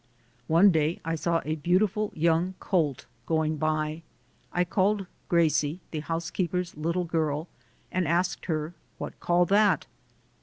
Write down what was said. One day I saw a beautiful young colt going by. I called Gracie, the housekeeper's little girl, and asked her, "What call that?"